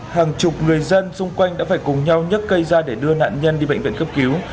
hàng chục người dân xung quanh đã phải cùng nhau nhấc cây ra để đưa nạn nhân đi bệnh viện cấp cứu